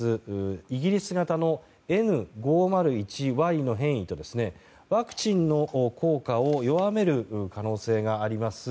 イギリス型のＮ５０１Ｙの変異とワクチンの効果を弱める可能性があります